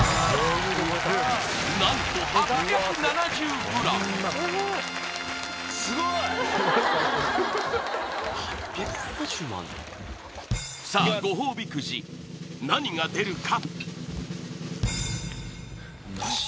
何とさあご褒美くじ何が出るか？